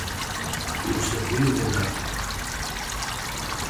Non serviu de nada;